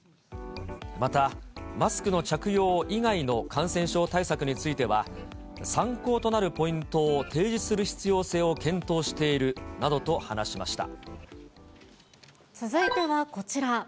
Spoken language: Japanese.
また、マスクの着用以外の感染症対策については、参考となるポイントを提示する必要性を検討しているなどと話しま続いてはこちら。